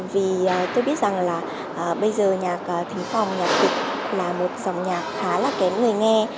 vì tôi biết rằng là bây giờ nhạc thính phòng nhạc kịch là một dòng nhạc khá là kém người nghe